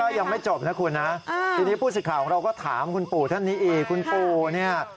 ยังไม่จบนะคุณนะทีนี้ผู้สิทธิ์ของเราก็ถามคุณปู่ท่านนี้อีกคุณปู่เนี่ย